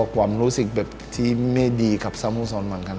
ความรู้สึกแบบที่ไม่ดีกับสัมพุธศรรย์เหรอ